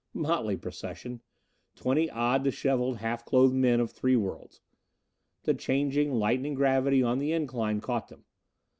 Motley procession! Twenty odd, dishevelled, half clothed men of three worlds. The changing, lightening gravity on the incline caught them.